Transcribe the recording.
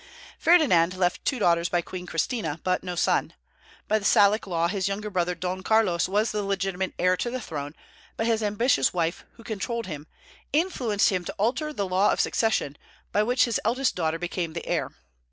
Ferdinand left two daughters by Queen Christina, but no son. By the Salic law his younger brother Don Carlos was the legitimate heir to the throne; but his ambitious wife, who controlled him, influenced him to alter the law of succession, by which his eldest daughter became the heir.